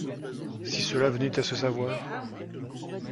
Si cela venait à se savoir?